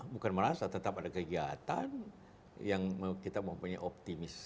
bukan merasa tetap ada kegiatan yang kita mempunyai optimis